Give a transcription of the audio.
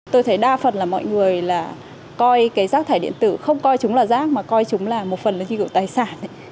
tôi thấy đa phần là mọi người là coi cái rác thải điện tử không coi chúng là rác mà coi chúng là một phần như kiểu tài sản